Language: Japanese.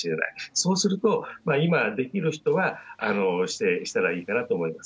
そうすると今できる人は指定したらいいかなと思います。